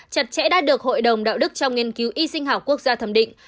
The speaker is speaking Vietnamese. chặt chẽ đã được hội đồng đạo đức trong nghiên cứu y sinh học quốc gia thẩm định